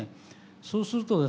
そうするとですね